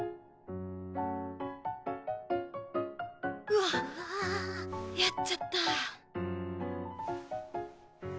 うわっやっちゃった。